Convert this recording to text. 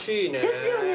ですよね